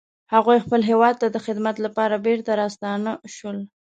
هغوی خپل هیواد ته د خدمت لپاره بیرته راستانه شول